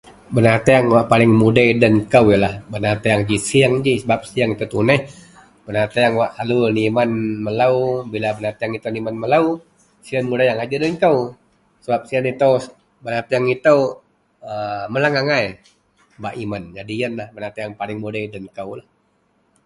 benateang wak paling mudei den kou ienlah benateng ji sieng ji sebab sieng itou tuneh benateang wak selalu nimen melou, bila benateng itou nimen melou, sien mudei agai ji den kou, sebab sien itou, benateang itou a meleang agai bak imen, ienlah ji benateang paling mudei den koulah